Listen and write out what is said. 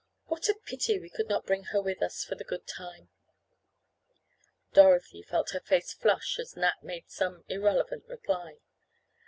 "What a pity we could not bring her with us for the good time." Dorothy felt her face flush as Nat made some irrelevant reply.